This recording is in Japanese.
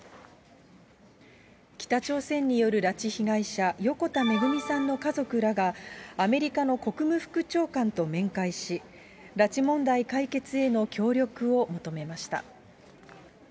北朝鮮による拉致被害者、横田めぐみさんの家族らが、アメリカの国務副長官と面会し、拉致問題解決への協力を求めました。